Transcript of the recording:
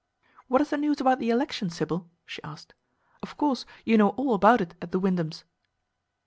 "What is the news about the election, Sybil?" she asked. "Of course you know all about it at the Wyndhams'."